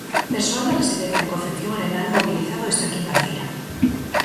Persoal da residencia Concepción Arenal mobilizado esta quinta feira.